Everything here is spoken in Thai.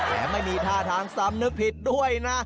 ไม่มีท่าทางซ้ำนึกผิดด้วยนะ